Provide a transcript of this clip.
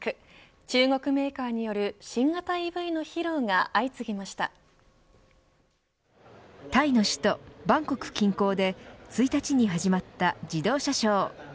中国メーカーによるタイの首都バンコク近郊で１日に始まった自動車ショー。